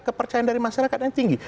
kepercayaan dari masyarakatnya tinggi